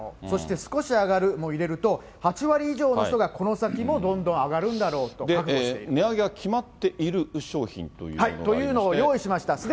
そして少し上がるも入れると８割以上の人が、この先もどんどん上がるんだろうと覚悟して値上げが決まっている商品とというのを用意しました。